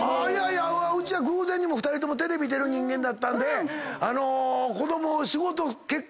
うちは偶然にも２人ともテレビ出る人間だったんで。